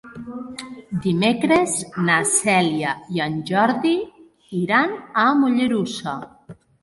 Dimecres na Cèlia i en Jordi iran a Mollerussa.